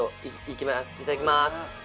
いただきます！